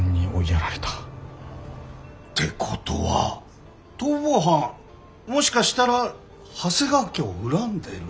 てことは逃亡犯もしかしたら長谷川家を恨んでる？